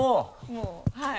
もうはい。